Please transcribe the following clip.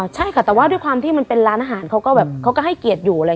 ใช่ค่ะแต่ด้วยความที่มันเป็นร้านอาหารเขาก็ให้เกียรติอยู่